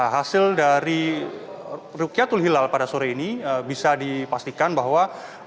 hasil dari rukiatul hilal pada sore ini bisa dipastikan bahwa